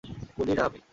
কুলি না আমি।